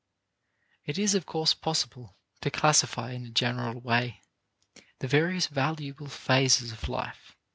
It is of course possible to classify in a general way the various valuable phases of life.